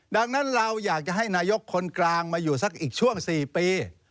ดังนั้นเราอยากจะให้นายกคนกลางมาอยู่สักอีกช่วง๔ปี